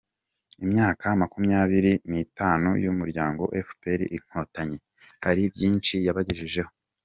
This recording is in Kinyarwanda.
Imyaka makumyabiri nitanu y’umuryango efuperi Inkotanyi hari byinshi yabagejejeho